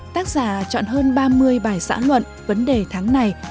tác giả chọn hơn ba mươi bài xã luận vấn đề tháng này